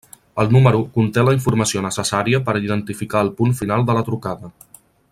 El número conté la informació necessària per identificar el punt final de la trucada.